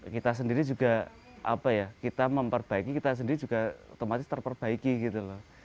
kita sendiri juga apa ya kita memperbaiki kita sendiri juga otomatis terperbaiki gitu loh